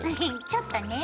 ちょっとね